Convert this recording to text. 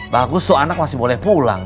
bagus tuh anak masih boleh pulang